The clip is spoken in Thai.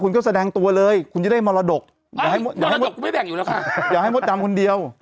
คุณก็แสดงตัวเลยคุณจะได้มรดกมรดกคุณไม่แบ่งอยู่แล้วค่ะอย่าให้มดดำคนเดียว